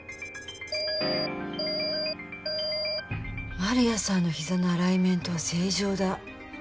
万里亜さんの膝のアライメントは正常だ。